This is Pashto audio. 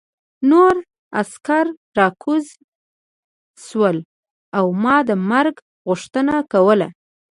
نور عسکر راکوز شول او ما د مرګ غوښتنه کوله